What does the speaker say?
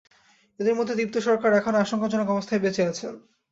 এঁদের মধ্যে দীপ্ত সরকার এখনো আশঙ্কাজনক অবস্থায় বেঁচে আছেন।